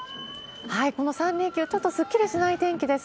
この３連休、ちょっとすっきりしない天気です。